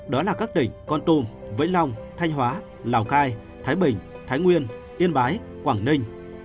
đó là các tỉnh con tum vĩnh long thanh hóa lào cai thái bình thái nguyên yên bái quảng ninh